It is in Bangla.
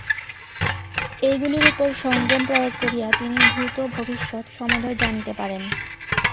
এইগুলির উপর সংযম প্রয়োগ করিয়া তিনি ভূত ভবিষ্যৎ সমুদয় জানিতে পারেন।